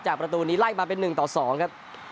ประตูนี้ไล่มาเป็น๑ต่อ๒ครับ